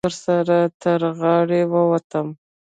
ورسره تر غاړې ووتم.